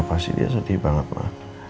pasti dia sedih banget